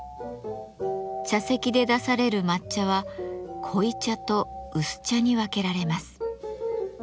茶席で出される抹茶は濃茶と薄茶に分けられます。